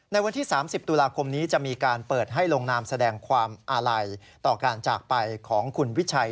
วันที่๓๐ตุลาคมนี้จะมีการเปิดให้ลงนามแสดงความอาลัยต่อการจากไปของคุณวิชัย